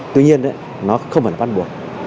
tuy nhiên nó không phải bắt buộc